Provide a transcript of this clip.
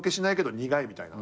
苦いみたいな。